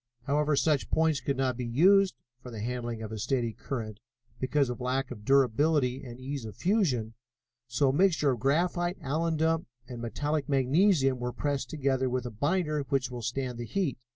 However, such points could not be used for the handling of a steady current because of lack of durability and ease of fusion, so a mixture of graphite, alundum and metallic magnesium was pressed together with a binder which will stand the heat.